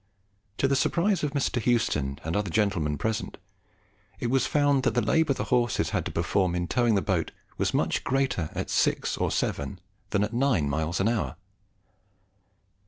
To the surprise of Mr. Houston and the other gentlemen present, it was found that the labour the horses had to perform in towing the boat was mach greater at six or seven, than at nine miles an hour.